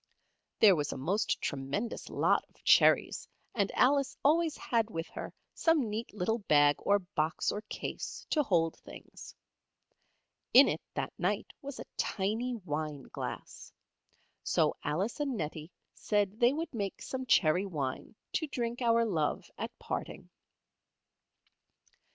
There was a most tremendous lot of cherries and Alice always had with her some neat little bag or box or case, to hold things. In it, that night, was a tiny wine glass. So Alice and Nettie said they would make some cherry wine to drink our love at parting.